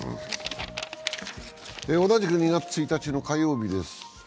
同じく２月１日の火曜日です。